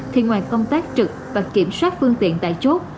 thì ngoài công tác trực và kiểm soát phương tiện tại chốt